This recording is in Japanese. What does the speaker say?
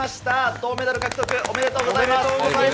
銅メダル獲得、おめでとうございます。